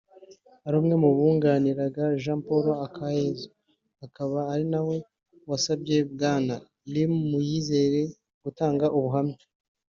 wari umwe mu bunganiraga Jean Paul Akayesu akaba ari nawe wasabye Bwana Lin Muyizere gutanga ubuhamya